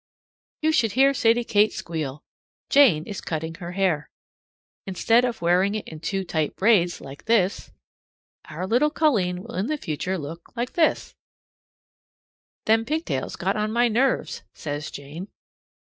You should hear Sadie Kate squeal! Jane is cutting her hair. Instead of wearing it in two tight braids like this our little colleen will in the future look like this "Them pigtails got on my nerves," says Jane.